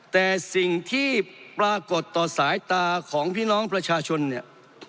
แต่สิ่งที่ปรากฏต่อสายตาของพี่น้องประชาชนเนี่ย